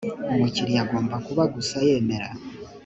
umukiriya agomba kuba gusa yemera